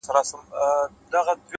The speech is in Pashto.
زه د جنتونو و اروا ته مخامخ يمه ـ